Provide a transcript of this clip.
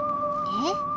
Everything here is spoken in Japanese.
えっ？